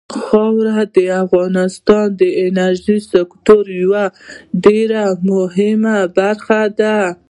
خاوره د افغانستان د انرژۍ سکتور یوه ډېره مهمه برخه ده.